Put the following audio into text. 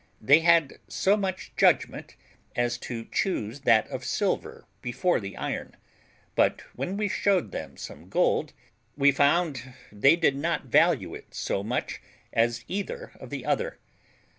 They had so much judgment as to choose that of silver before the iron; but when we showed them some gold, we found they did not value it so much as either of the other.